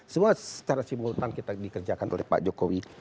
semua secara simultan kita dikerjakan oleh pak jokowi